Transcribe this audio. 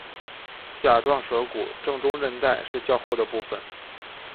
甲状舌骨正中韧带是较厚的部分。